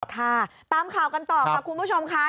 ค่ะตามข่าวกันต่อค่ะคุณผู้ชมค่ะ